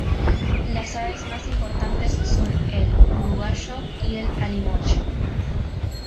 Las aves más importantes son el urogallo y el alimoche.